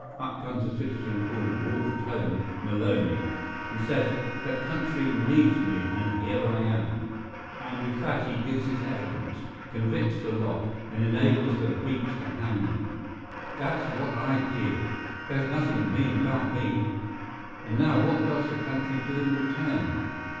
Up comes a citizen called Wolf Tone Maloney; he says, 'The country needs me, and here I am.' And with that he gives his evidence, convicts the lot, and enables the beaks to hang them. That's what I did. There's nothing mean about me! And now what does the country do in return?